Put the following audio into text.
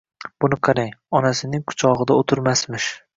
Buni qarang, onasining kuchog'ida o'tirmasmish.